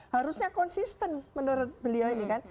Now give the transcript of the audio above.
harusnya konsisten menurut beliau ini kan